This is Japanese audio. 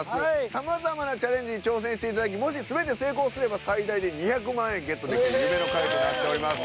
さまざまなチャレンジに挑戦していただきもし全て成功すれば最大で２００万円ゲットできる夢の回となっております。